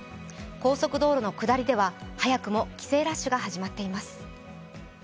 高速道路の下りでは早くも帰省ラッシュが始まっています。